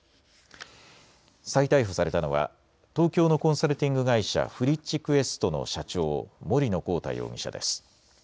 再逮捕されたのは東京のコンサルティング会社、ＦＲｉｃｈＱｕｅｓｔの社長、森野広太容疑者です。